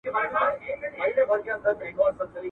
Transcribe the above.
که حکومت مرسته وکړي فابريکي به بيا فعاله سي.